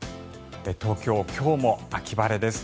東京、今日も秋晴れです。